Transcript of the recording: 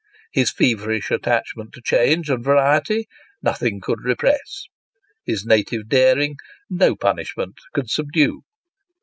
His feverish attachment to change and variety nothing could repress ; his native daring no punishment could subdue.